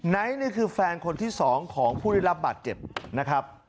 นี่คือแฟนคนที่๒ของผู้ได้รับบาดเจ็บนะครับ